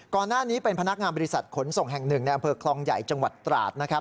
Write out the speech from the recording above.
ก่อนหน้านี้เป็นพนักงานบริษัทขนส่งแห่งหนึ่งในอำเภอคลองใหญ่จังหวัดตราดนะครับ